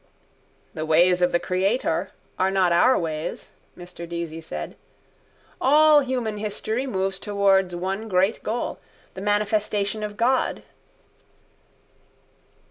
—The ways of the Creator are not our ways, Mr Deasy said. All human history moves towards one great goal, the manifestation of God.